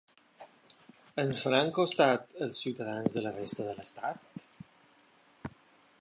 Ens faran costat els ciutadans de la resta de l’estat?